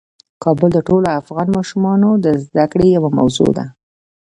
کابل د ټولو افغان ماشومانو د زده کړې یوه موضوع ده.